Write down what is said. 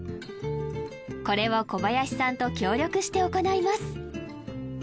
これを小林さんと協力して行います